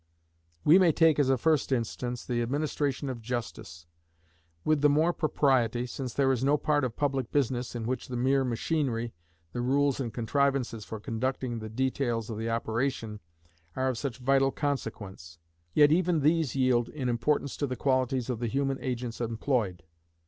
We may take, as a first instance, the administration of justice; with the more propriety, since there is no part of public business in which the mere machinery, the rules and contrivances for conducting the details of the operation, are of such vital consequence. Yet even these yield in importance to the qualities of the human agents employed.